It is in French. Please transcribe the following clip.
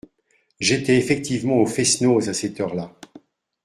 J’étais effectivement au fest-noz à cette heure-là.